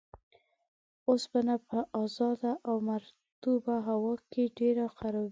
اوسپنه په ازاده او مرطوبه هوا کې ډیر خرابیږي.